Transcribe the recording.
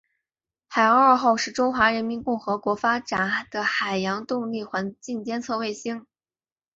海洋二号是中华人民共和国发展的海洋动力环境监测卫星。